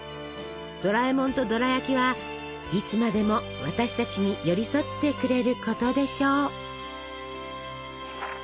ドラえもんとドラやきはいつまでも私たちに寄り添ってくれることでしょう。